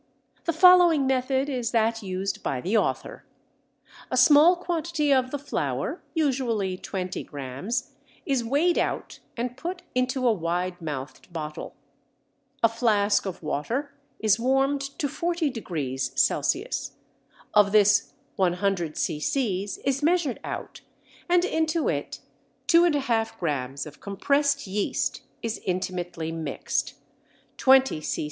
The following method is that used by the author. A small quantity of the flour, usually 20 grams, is weighed out and put into a wide mouthed bottle. A flask of water is warmed to 40° C., of this 100 c.c. is measured out, and into it 2½ grams of compressed yeast is intimately mixed, 20 c.